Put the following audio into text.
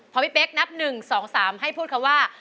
พอพี่เป๊กนับ๑๒๓ให้พูดคำว่า